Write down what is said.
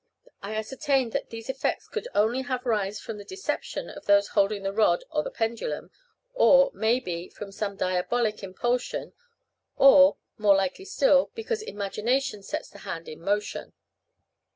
I ascertained that these effects could only have rise from the deception of those holding the rod or the pendulum, or, may be, from some diabolic impulsion, or, more likely still, because imagination sets the hand in motion."